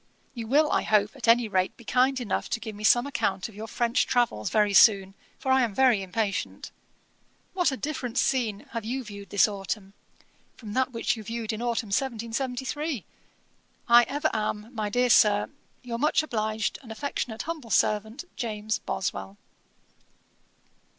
You will, I hope, at any rate be kind enough to give me some account of your French travels very soon, for I am very impatient. What a different scene have you viewed this autumn, from that which you viewed in autumn 1773! I ever am, my dear Sir, 'Your much obliged and 'Affectionate humble servant, 'JAMES BOSWELL.'